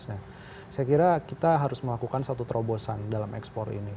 nah saya kira kita harus melakukan satu terobosan dalam ekspor ini